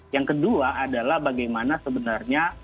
yang kedua adalah bagaimana sebenarnya